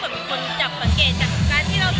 มันเหมือนกับมันเหมือนกับมันเหมือนกับ